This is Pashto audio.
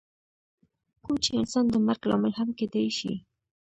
کوم چې انسان د مرګ لامل هم کیدی شي.